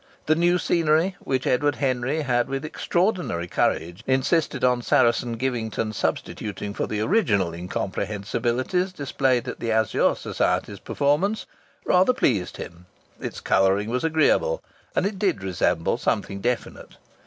The new scenery, which Edward Henry had with extraordinary courage insisted on Saracen Givington substituting for the original incomprehensibilities displayed at the Azure Society's performance, rather pleased him. Its colouring was agreeable, and it did resemble something definite.